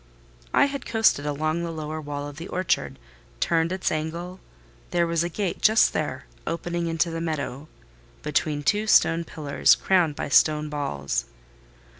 I had coasted along the lower wall of the orchard—turned its angle: there was a gate just there, opening into the meadow, between two stone pillars crowned by stone balls.